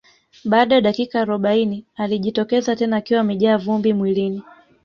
Baada ya dakika arobaini alijitokeza tena akiwa amejaa vumbi mwilini